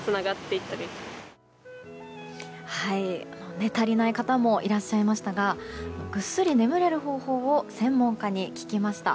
寝足りない方もいらっしゃいましたがぐっすり眠れる方法を専門家に聞きました。